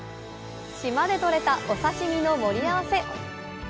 島でとれた、お刺身の盛り合わせ。